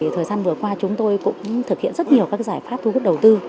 thời gian vừa qua chúng tôi cũng thực hiện rất nhiều các giải pháp thu hút đầu tư